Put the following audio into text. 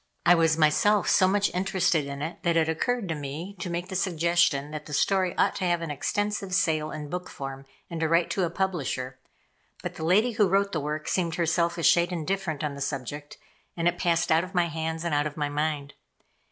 I was myself so much interested in it that it occurred to me to make the suggestion that the story ought to have an extensive sale in book form, and to write to a publisher; but the lady who wrote the work seemed herself a shade indifferent on the subject, and it passed out of my hands and out of my mind.